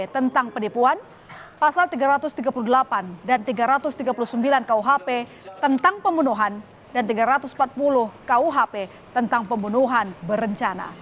tentang penipuan pasal tiga ratus tiga puluh delapan dan tiga ratus tiga puluh sembilan kuhp tentang pembunuhan dan tiga ratus empat puluh kuhp tentang pembunuhan berencana